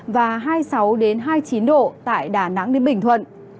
và hai mươi sáu hai mươi chín độ tại đà nẵng đến bình thuận